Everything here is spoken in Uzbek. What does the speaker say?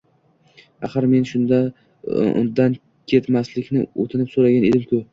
Axir men undan ketmaslikni o`tinib so`ragan edim-ku